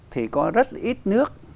thì có rất ít nước